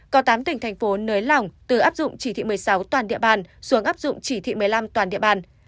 có tám tỉnh thành phố nới lỏng từ áp dụng chỉ thị một mươi sáu toàn địa bàn xuống áp dụng chỉ thị một mươi năm toàn địa bàn